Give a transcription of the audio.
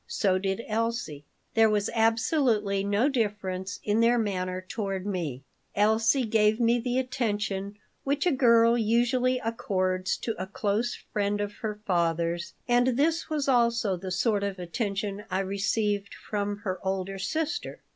So did Elsie. There was absolutely no difference in their manner toward me. Elsie gave me the attention which a girl usually accords to a close friend of her father's, and this was also the sort of attention I received from her older sister.